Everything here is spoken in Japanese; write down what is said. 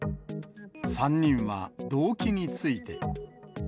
３人は動機について。